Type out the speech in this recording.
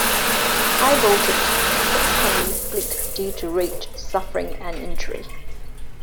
High Voltage subsequently split due to Rage suffering an injury.